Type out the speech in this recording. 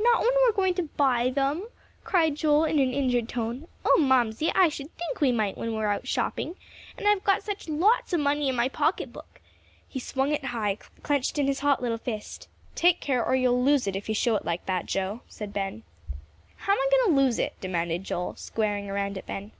"Not when we are going to buy them?" cried Joel, in an injured tone. "Oh, Mamsie, I sh'd think we might when we are out shopping. And I've got such lots of money in my pocket book." He swung it high, clenched in his hot little fist. "Take care or you'll lose it if you show it like that, Joe," said Ben. "How am I going to lose it?" demanded Joel, squaring around at Ben.